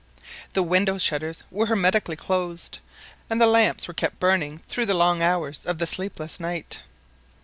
The window shutters were hermetically closed, and the lamps were kept burning through the long hours of the sleepless night.